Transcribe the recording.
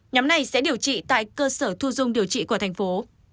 nhóm này sẽ điều trị tại cơ sở thu dung điều trị của thành phố